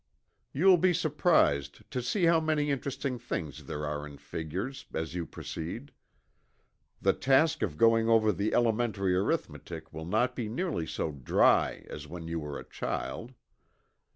You will be surprised to see how many interesting things there are in figures, as you proceed. The task of going over the elementary arithmetic will not be nearly so "dry" as when you were a child.